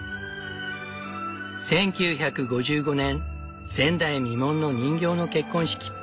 １９５５年前代未聞の人形の結婚式。